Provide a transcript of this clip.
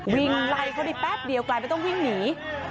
วิ่งไล่เขาได้แป๊บเดียวกลายเป็นต้องวิ่งหนี